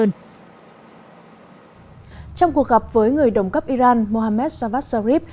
trong cuộc gặp với người đồng cấp iran mohammed javad zarif